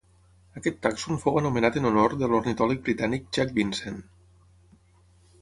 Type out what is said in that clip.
Aquest tàxon fou anomenat en honor de l'ornitòleg britànic Jack Vincent.